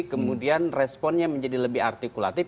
kemudian responnya menjadi lebih artikulatif